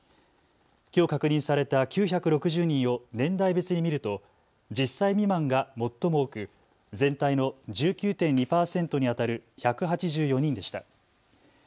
きょう確認された９６０人を年代別に見ると１０歳未満が最も多く全体の１９．２％にあたる１８４人でした。